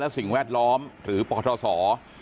และสิ่งแวดล้อมหรือปฐาสอว์